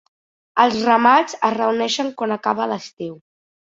Els ramats es reuneixen quan acaba l'estiu.